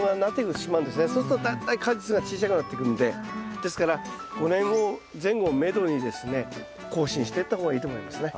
そうするとだんだん果実がちいちゃくなっていくんでですから５年前後をめどにですね更新してった方がいいと思いますね。